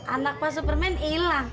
anak pak superman hilang